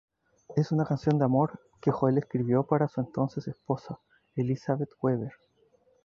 Es una canción de amor que Joel escribió para su entonces esposa, Elizabeth Weber.